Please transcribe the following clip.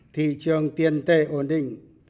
thị trường tiền tệ ổn định